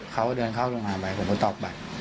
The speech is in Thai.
เขาเดินเข้าโรงงานไปผมก็ตอบไป